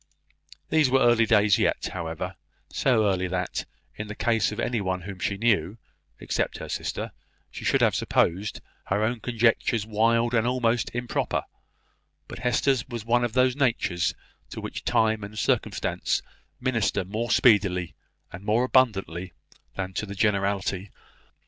These were early days yet, however; so early that, in the case of any one whom she knew, except her sister, she should have supposed her own conjectures wild and almost improper; but Hester's was one of those natures to which time and circumstance minister more speedily and more abundantly than to the generality.